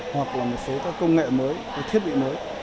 hoặc một số công nghệ mới thiết bị mới